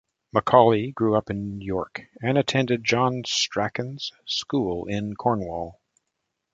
Macaulay grew up in York and attended John Strachan's school in Cornwall.